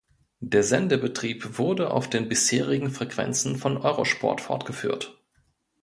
Der Sendebetrieb wurde auf den bisherigen Frequenzen von Eurosport fortgeführt.